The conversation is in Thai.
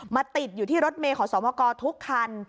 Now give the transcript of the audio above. ติดอยู่ที่รถเมย์ขอสมกรทุกคัน